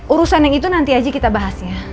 urusan yang itu nanti aja kita bahas ya